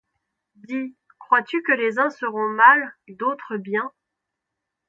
Dis, crois-tu que les uns seront mal, d'autres bien